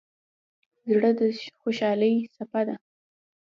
زړه د خوشحالۍ څپه ده.